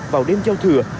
vào đêm giao thừa